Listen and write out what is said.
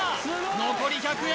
残り１００円